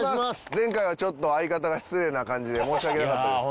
前回はちょっと相方が失礼な感じで申し訳なかったです。